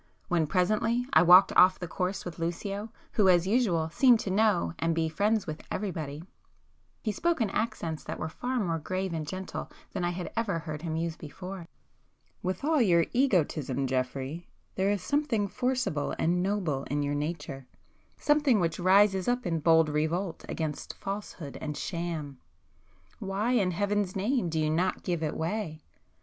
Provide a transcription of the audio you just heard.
When presently I walked off the course with Lucio, who as usual seemed to know and to be friends with everybody, he spoke in accents that were far more grave and gentle than I had ever heard him use before. "With all your egotism, Geoffrey, there is something forcible and noble in your nature,—something which rises [p 292] up in bold revolt against falsehood and sham. Why, in Heaven's name do you not give it way?"